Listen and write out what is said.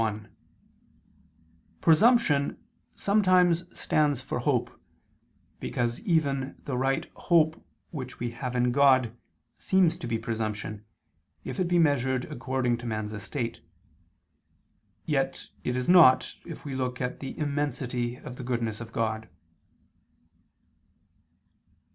1: Presumption sometimes stands for hope, because even the right hope which we have in God seems to be presumption, if it be measured according to man's estate: yet it is not, if we look at the immensity of the goodness of God.